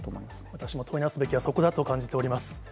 私も問い直すべきはそこだと感じております。